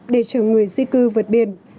để chờ người di cư vượt biển